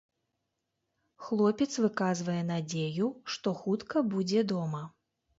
Хлопец выказвае надзею, што хутка будзе дома.